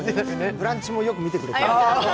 「ブランチ」もよく見てくれてる。